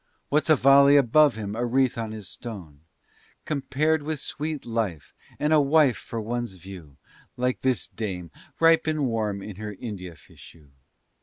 What's a volley above him, a wreath on his stone, Compared with sweet life and a wife for one's view Like this dame, ripe and warm in her India fichu?